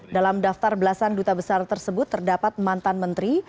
dalam daftar belasan duta besar tersebut terdapat mantan menteri